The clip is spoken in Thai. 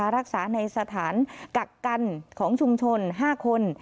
รักษาในสถานกักกันของชุมชน๕คน